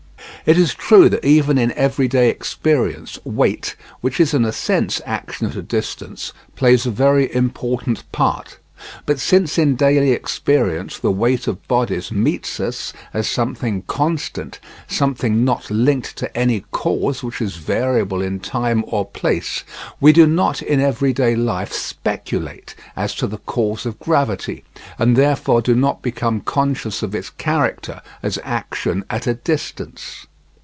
It is true that even in everyday experience weight, which is in a sense action at a distance, plays a very important part. But since in daily experience the weight of bodies meets us as something constant, something not linked to any cause which is variable in time or place, we do not in everyday life speculate as to the cause of gravity, and therefore do not become conscious of its character as action at a distance.